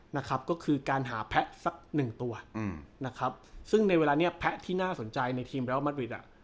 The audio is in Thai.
นะครับก็คือการหาแพะสักหนึ่งตัวอืมนะครับซึ่งในเวลาเนี้ยแพะที่น่าสนใจในทีมเรียลมัดริดอ่ะ